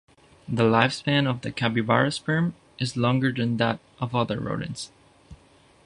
The lifespan of the capybara's sperm is longer than that of other rodents.